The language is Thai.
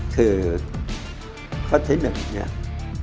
คือพระเทศหนึ่ง